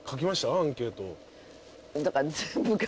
アンケート。